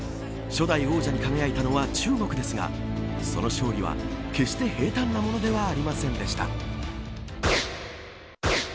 初代王者に輝いたのは中国ですがその勝利は、決して平たんなものではありませんでした。